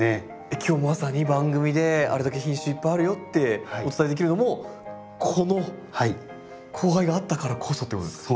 今日まさに番組であれだけ品種いっぱいあるよってお伝えできるのもこの交配があったからこそってことですか？